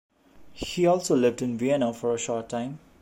He also lived in Vienna for a short time.